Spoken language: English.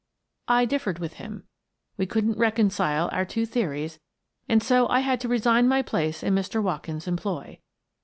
I dif fered with him. We couldn't reconcile our two theories and so I had to resign my place in Mr. Watkins's employ.